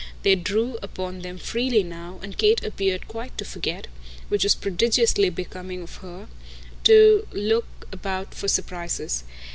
They drew upon them freely now, and Kate appeared quite to forget which was prodigiously becoming to her to look about for surprises.